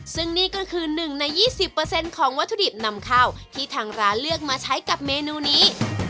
ซึ่งนี่ก็คือหนึ่งในยี่สิบเปอร์เซ็นต์ของวัตถุดิบนำข้าวที่ทางราเลือกมาใช้กับเมนูนี้